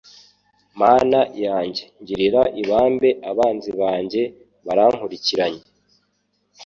Mana yanjye ngirira ibambe Abanzi banjye barankurikiranye